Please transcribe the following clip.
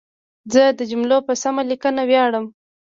زه د جملو په سمه لیکنه ویاړم.